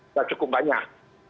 sudah cukup banyak